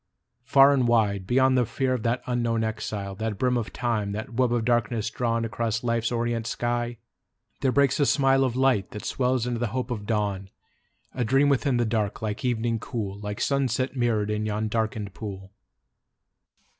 Far and wide, Beyond the fear of that unknown exile, That brim of Time, that web of darkness drawn Across Life's orient sky, there breaks a smile Of light that swells into the hope of dawn : A dream within the dark, like evening cool, Like sunset mirror'd in yon darken'd pool.